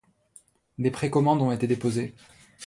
Des pré-commandes ont été déposées.